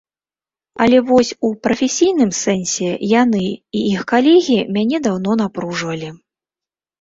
Але вось у прафесійным сэнсе яны і іх калегі мяне даўно напружвалі.